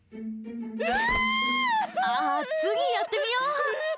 あ、次やってみよ！